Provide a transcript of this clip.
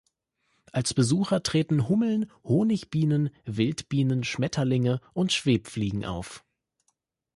Als Besucher treten Hummeln, Honigbienen, Wildbienen, Schmetterlinge und Schwebfliegen auf.